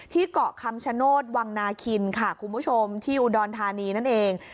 เกาะคำชโนธวังนาคินค่ะคุณผู้ชมที่อุดรธานีนั่นเอง